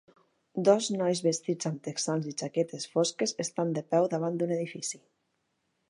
Dos nois vestits amb texans i jaquetes fosques estan de peu davant d'un edifici.